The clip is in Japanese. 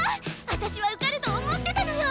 私は受かると思ってたのよ！